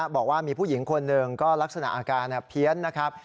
บอกว่ามีผู้หญิงคนหนึ่งก็ลักษณะอาการเพี้ยนนะครับ